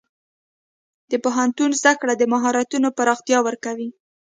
د پوهنتون زده کړه د مهارتونو پراختیا ورکوي.